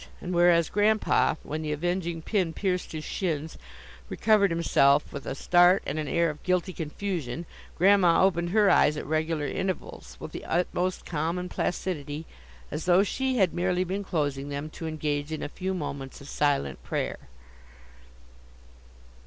And whereas Grandpa, when the avenging pin pierced his shins, recovered himself with a start and an air of guilty confusion, Grandma opened her eyes at regular intervals, with the utmost calm and placidity, as though she had merely been closing them to engage in a few moments of silent prayer.